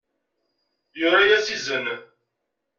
Yura-yas izen.